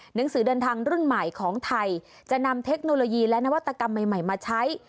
หนังสือเดินทางรุ่นใหม่ของไทยจะนำเทคโนโลยีและนวัตกรรมใหม่มาใช้